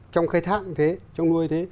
trong khai thác cũng thế trong nuôi cũng thế